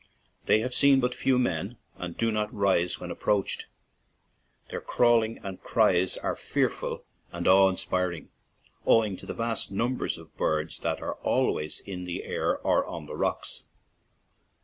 They have seen but few men, and do not rise when approached. Their cawing and cries are fearful and awe in spiring, owing to the vast numbers of birds that are always in the air or on the rocks.